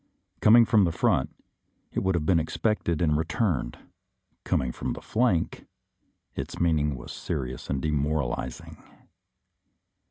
Coming from the front, it would have been expected and re turned; coming from the flank, its meaning was serious and demoralizing.